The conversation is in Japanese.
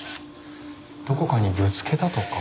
どこかにぶつけたとか。